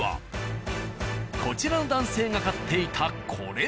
こちらの男性が買っていたこれ！